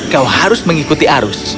kau harus mengikuti arus